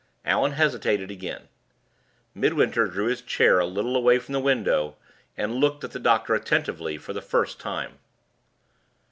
Allan hesitated again. Midwinter drew his chair a little away from the window, and looked at the doctor attentively for the first time.